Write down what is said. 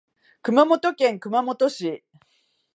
熊本県熊本市